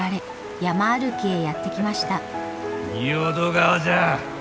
仁淀川じゃ。